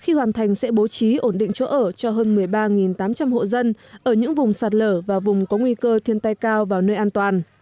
khi hoàn thành sẽ bố trí ổn định chỗ ở cho hơn một mươi ba tám trăm linh hộ dân ở những vùng sạt lở và vùng có nguy cơ thiên tai cao vào nơi an toàn